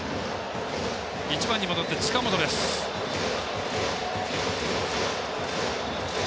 １番に戻って近本です。